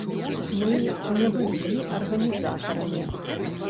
Мы не былі арганізатарамі.